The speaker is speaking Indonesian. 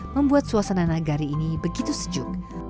membuat suasana nagari ini begitu sejuk